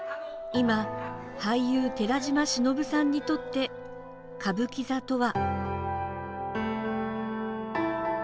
今、俳優寺島しのぶさんにとって歌舞伎座とは。